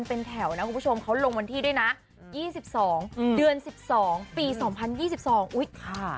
โบเบิร์ตโบเบิร์ต